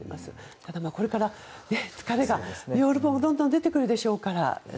ただこれから疲れがヨーロッパもどんどん出てくるでしょうから。